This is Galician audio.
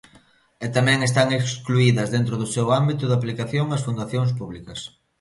E tamén están excluídas dentro do seu ámbito de aplicación as fundacións públicas.